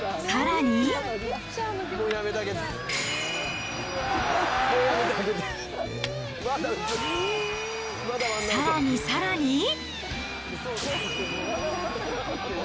さらにさらに。